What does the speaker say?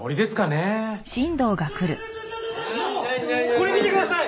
これ見てください！